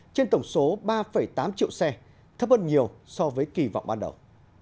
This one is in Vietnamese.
trên tổng số ba tám triệu xe thấp hơn nhiều so với kỳ vọng ban đầu